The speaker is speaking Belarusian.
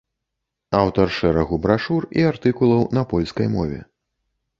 Аўтар шэрагу брашур і артыкулаў на польскай мове.